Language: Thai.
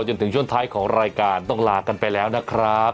จนถึงช่วงท้ายของรายการต้องลากันไปแล้วนะครับ